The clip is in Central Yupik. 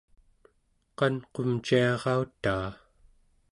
qanqumciarautaa